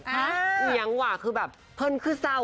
อิงยังหว่าคือแบบเพิ่นคือเศร้าแท้